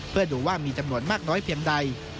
เพื่อดูว่ามีจำนวนมากน้อยเพียงใด